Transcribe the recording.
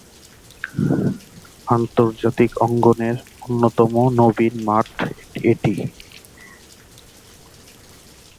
আন্তর্জাতিক অঙ্গনের অন্যতম নবীন মাঠ এটি।